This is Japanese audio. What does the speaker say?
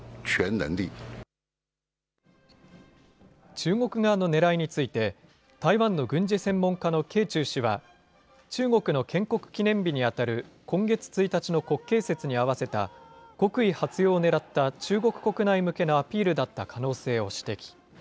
中国側のねらいについて、台湾の軍事専門家の掲仲氏は、中国の建国記念日に当たる今月１日の国慶節に合わせた、国威発揚をねらった中国国内向けのアピールだった可能性を指摘。